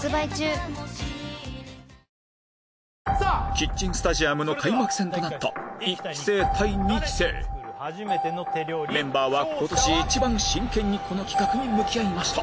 キッチンスタジアムの開幕戦となった１期生対２期生メンバーはことしいちばん真剣にこの企画に向き合いました